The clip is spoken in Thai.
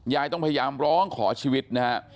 ยายต้องพยายามร้องขอชีวิตนะฮะ